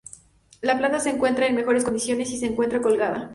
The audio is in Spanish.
La planta se encuentra en mejores condiciones si se encuentra colgada.